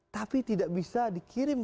tapi tidak bisa dikirim